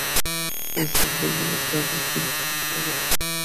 সইস আজ ভোরবেলায় তাকে খিড়কির বাগানে রেখে এসেছে।